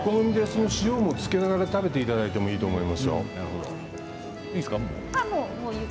塩をつけながら食べていただいてもおいしい！